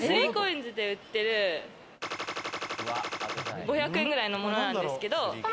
３ＣＯＩＮＳで売ってる５００円くらいのものなんですけど。